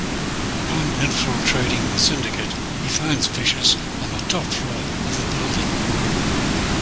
Upon infiltrating the syndicate, he finds Vicious on the top floor of the building.